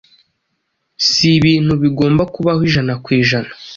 si ibintu “bigomba kubaho ijana ku ijana.”